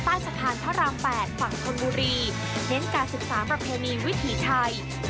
ใต้สะพานพระราม๘ฝั่งธนบุรีเน้นการศึกษาประเพณีวิถีไทย